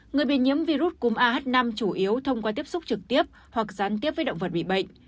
người bị nhiễm virus cúm ah năm chủ yếu thông qua tiếp xúc trực tiếp hoặc gián tiếp với động vật bị bệnh